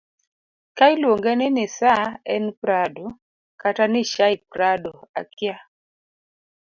ka iluonge ni nisaa en prado kata nishaiprado akia